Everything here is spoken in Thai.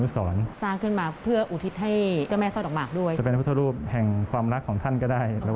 ด้วยจะเป็นพุทธรูปแห่งความรักท่านก็ได้